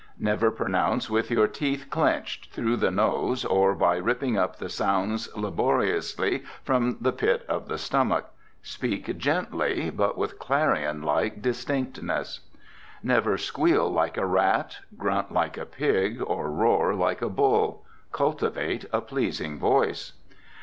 Never pronounce with your teeth clenched, through the nose, or by ripping up the sounds laboriously from the pit of the stomach. Speak gently, but with clarion like distinctness. Never squeal like a rat, grunt like a pig, or roar like a bull. Cultivate a pleasing voice.